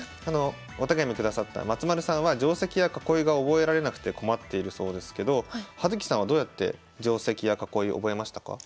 お手紙下さった松丸さんは定跡や囲いが覚えられなくて困っているそうですけど葉月さんはどうやって定跡や囲いを覚えましたか？